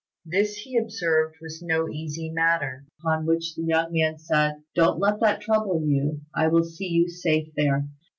This, he observed, was no easy matter; upon which the young man said, "Don't let that trouble you: I will see you safe there."